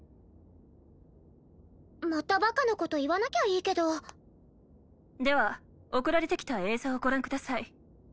またバカなこと言わなきゃいいけどでは送られてきた映像をご覧ください